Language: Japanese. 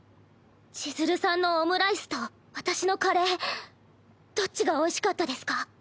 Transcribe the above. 千鶴さんのオムライスと私のカレーどっちがおいしかったですか？